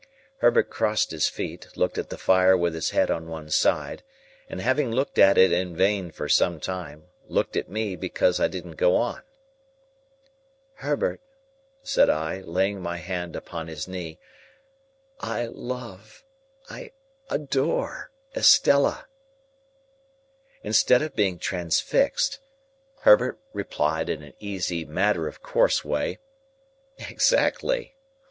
Herbert crossed his feet, looked at the fire with his head on one side, and having looked at it in vain for some time, looked at me because I didn't go on. "Herbert," said I, laying my hand upon his knee, "I love—I adore—Estella." Instead of being transfixed, Herbert replied in an easy matter of course way, "Exactly.